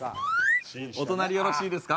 お隣よろしいですか？